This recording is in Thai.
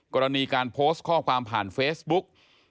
กรณีการโพสต์ข้อความผ่านเฟซบุ๊ก